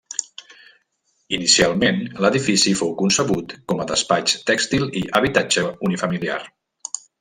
Inicialment l'edifici fou concebut com a despatx tèxtil i habitatge unifamiliar.